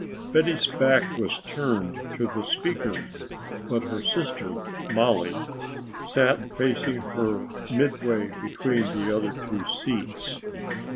Betty's back was turned to the speaker, but her sister, Mollie, sat facing her midway between the other two seats.